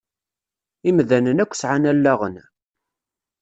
Imdanen akk sεan allaɣen.